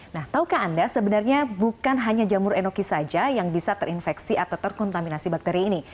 nah tahukah anda sebenarnya bukan hanya jamur enoki saja yang bisa terinfeksi atau terkontaminasi bakteri ini